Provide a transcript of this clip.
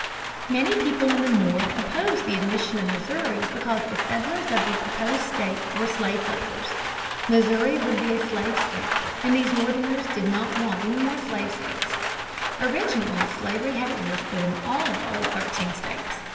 Many people in the North opposed the admission of Missouri because the settlers of the proposed state were slaveholders. Missouri would be a slave state, and these Northerners did not want any more slave states. Originally slavery had existed in all the old thirteen states.